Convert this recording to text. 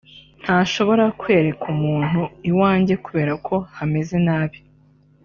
ntashobora kwereka umuntu iwange kubera ko hameze nabi